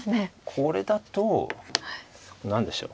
これだと何でしょう